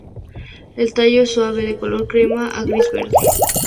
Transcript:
El tallo es suave, de color crema a gris-verde.